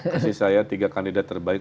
kasih saya tiga kandidat terbaik